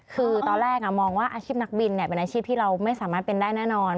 คือตอนแรกมองว่าอาชีพนักบินเป็นอาชีพที่เราไม่สามารถเป็นได้แน่นอน